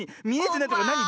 なに？